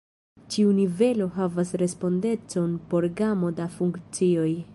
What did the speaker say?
Ĉiu nivelo havas respondecon por gamo da funkcioj.